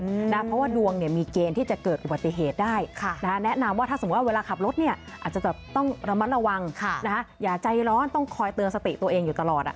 เพราะว่าดวงเนี่ยมีเกณฑ์ที่จะเกิดอุบัติเหตุได้แนะนำว่าถ้าสมมุติว่าเวลาขับรถเนี่ยอาจจะต้องระมัดระวังอย่าใจร้อนต้องคอยเตือนสติตัวเองอยู่ตลอด